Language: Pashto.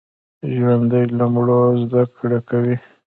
ژوندي له مړو زده کړه کوي